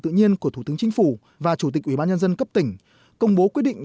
tự nhiên của thủ tướng chính phủ và chủ tịch ủy ban nhân dân cấp tỉnh công bố quyết định